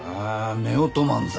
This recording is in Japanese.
夫婦漫才。